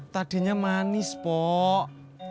tadinya manis pok